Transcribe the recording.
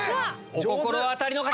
お心当たりの方！